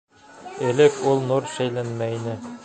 Элек ул нур шәйләнмәй ине.